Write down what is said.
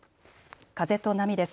風と波です。